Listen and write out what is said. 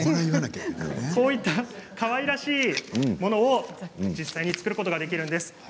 こういったかわいらしいものを実際に作ることができるんです。